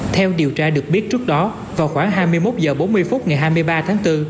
theo điều tra được biết trước đó vào khoảng hai mươi một h bốn mươi phút ngày hai mươi ba tháng bốn